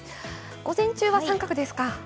午前中は△ですか。